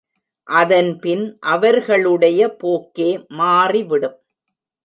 அதன்பின் அவர்களுடைய போக்கே மாறிவிடும்.